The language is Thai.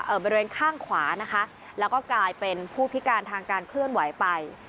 บริเวณข้างขวานะคะแล้วก็กลายเป็นผู้พิการทางการเคลื่อนไหวไป